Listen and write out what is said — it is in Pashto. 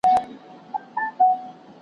حتی غزل، چي هر بیت یې، .